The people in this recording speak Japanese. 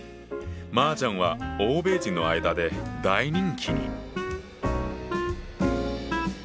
麻雀は欧米人の間で大人気に。